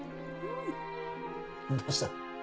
どうした？